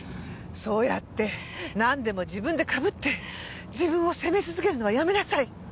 そうやってなんでも自分でかぶって自分を責め続けるのはやめなさい！